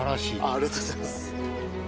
ありがとうございます。